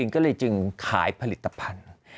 ก็เลยจึงขายผลิตภัณฑ์